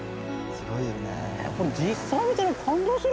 すごいよね。